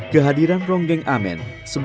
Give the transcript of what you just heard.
kehadiran ronggeng amen sebagai hiburan perang